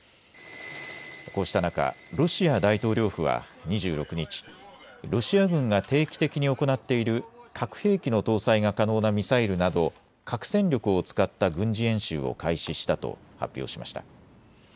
こうした中、ロシア大統領府は２６日、ロシア軍が定期的に行っている核兵器の搭載が可能なミサイルなど核戦力を使った軍事演習を開始したと発表しました。